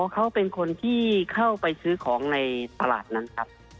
เขาเป็นคนที่เข้าไปซื้อของในตลาดนั้นครับ